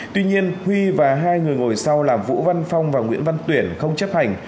tuy nhiên huy và hai người ngồi sau là vũ văn phong và nguyễn văn tuyển không chấp hành